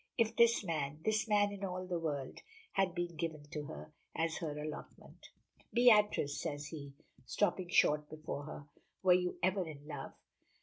If this man this man in all the world, had been given to her, as her allotment. "Beatrice!" says he, stopping short before her, "were you ever in love?"